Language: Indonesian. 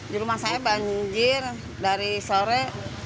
di rumah saya banjir dari sore